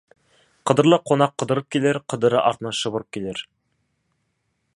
Қыдырлы қонақ қыдырып келер, қыдыры артынан шұбырып келер.